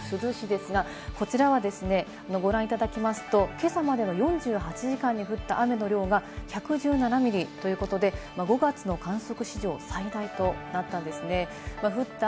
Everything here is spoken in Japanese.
５日に強い揺れを観測した石川県の珠洲市ですが、こちらはご覧いただきますと今朝までの４８時間に降った雨の量が１１７ミリということで、５月の観測史上最大となったんです。